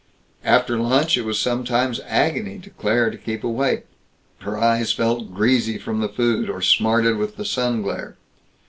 After lunch, it was sometimes an agony to Claire to keep awake. Her eyes felt greasy from the food, or smarted with the sun glare.